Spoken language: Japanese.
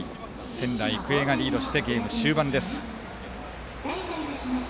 仙台育英がリードしてゲームの終盤です。